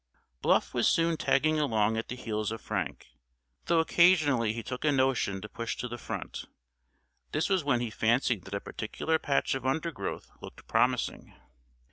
Bluff was soon tagging along at the heels of Frank, though occasionally he took a notion to push to the front. This was when he fancied that a particular patch of undergrowth looked promising.